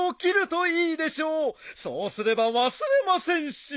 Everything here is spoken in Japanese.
そうすれば忘れませんし。